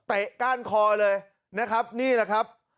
ก้านคอเลยนะครับนี่แหละครับ